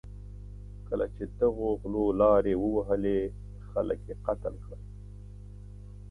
کله چې دغو غلو لارې ووهلې، خلک یې قتل کړل.